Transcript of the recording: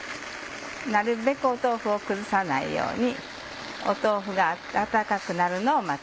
なるべく豆腐を崩さないように豆腐が温かくなるのを待ちます。